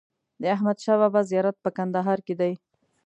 د احمدشاه بابا زیارت په کندهار کې دی.